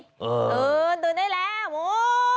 ตื่นตื่นได้แล้วหมู